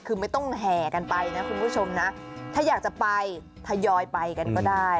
คือไม่ต้องแห่กันไปนะคุณผู้ชมนะถ้าอยากจะไปทยอยไปกันก็ได้